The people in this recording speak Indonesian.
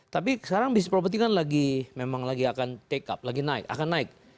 tapi sekarang bisnis properti kan lagi memang lagi akan naik